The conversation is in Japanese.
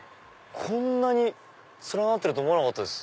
こんなに連なってると思わなかったです。